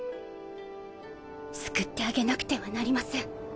救ってあげなくてはなりません。